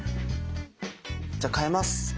じゃあ換えます！